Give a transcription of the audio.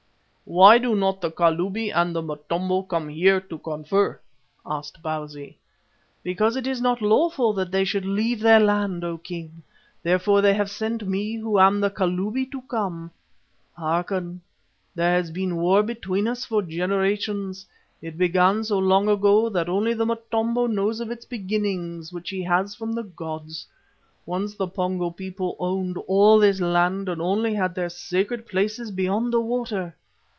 "Why do not the Kalubi and the Motombo come here to confer?" asked Bausi. "Because it is not lawful that they should leave their land, O King. Therefore they have sent me who am the Kalubi to come. Hearken. There has been war between us for generations. It began so long ago that only the Motombo knows of its beginning which he has from the gods. Once the Pongo people owned all this land and only had their sacred places beyond the water.